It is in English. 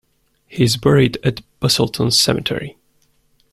He is buried at Busselton Cemetery.